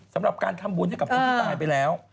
สำหรับการทำบุญให้กับคนที่ตายไปแล้ว